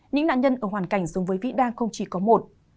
những nạn nhân ở hoàn cảnh giống với vĩ đa không chỉ có một